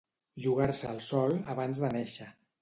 Jugar-se el sol abans de néixer.